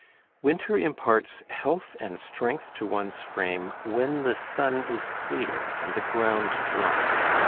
Winter imparts health and strength to one's frame when the sun is clear and the ground dry.